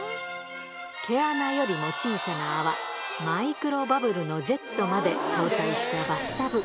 毛穴よりも小さな泡、マイクロバブルのジェットまで搭載したバスタブ。